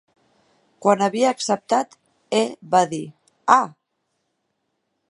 Quan havia acceptat, he va dir: "Ah!".